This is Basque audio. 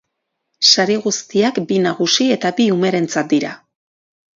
Sari guztiak bi nagusi eta bi umerentzat dira.